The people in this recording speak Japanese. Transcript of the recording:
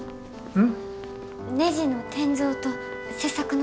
うん。